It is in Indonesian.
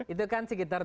itu kan sekitar